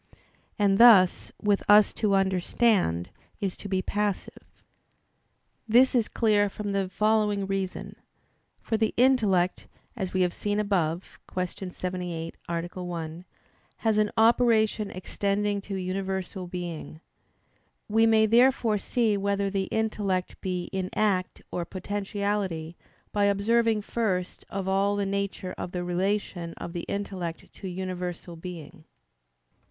And thus with us to understand is to be passive. This is clear from the following reason. For the intellect, as we have seen above (Q. 78, A. 1), has an operation extending to universal being. We may therefore see whether the intellect be in act or potentiality by observing first of all the nature of the relation of the intellect to universal being.